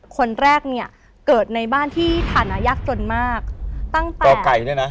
คนแรกเนี่ยเกิดในบ้านที่ฐานะยากจนมากตั้งแต่ก่อไก่เนี่ยนะ